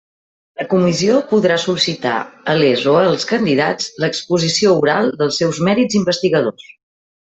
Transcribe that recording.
La Comissió podrà sol·licitar a les o els candidats l'exposició oral dels seus mèrits investigadors.